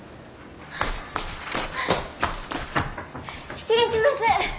失礼します！